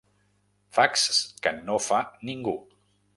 Faxs que no fa ningú.